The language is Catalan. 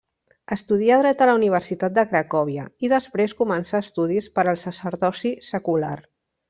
Estudià dret a la Universitat de Cracòvia i després començà estudis per al sacerdoci secular.